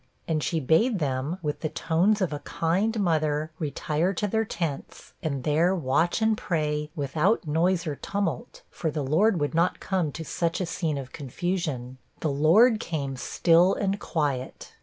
And she bade them, with the tones of a kind mother, retire to their tents, and there watch and pray, without noise or tumult, for the Lord would not come to such a scene of confusion; 'the Lord came still and quiet.'